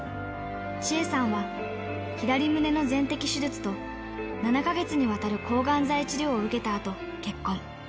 千恵さんは、左胸の全摘手術と、７か月にわたる抗がん剤治療を受けたあと、結婚。